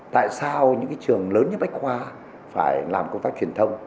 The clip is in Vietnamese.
tại sao những trường lớn nhất bách khoa phải làm công tác truyền thông